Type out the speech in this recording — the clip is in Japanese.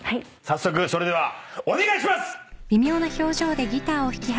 それではお願いします！